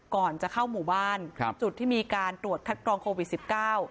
ก่อนจะเข้าหมู่บ้านครับจุดที่มีการตรวจคัดกรองโควิดสิบเก้า